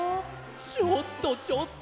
ちょっとちょっと！